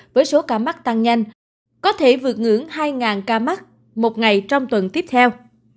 với số ca mắc tăng nhanh có thể vượt ngưỡng hai ca mắc một ngày trong tuần tiếp theo